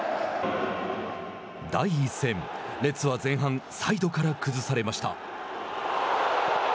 第１戦レッズは前半サイドから崩されました。